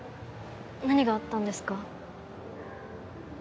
何があったんですか？